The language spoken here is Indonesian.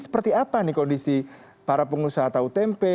seperti apa nih kondisi para pengusaha atau tmp